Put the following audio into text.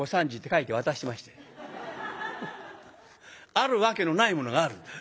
あるわけのないものがある。